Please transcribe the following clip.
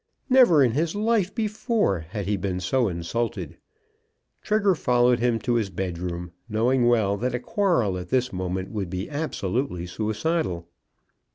Never in his life before had he been so insulted. Trigger followed him to his bedroom, knowing well that a quarrel at this moment would be absolutely suicidal.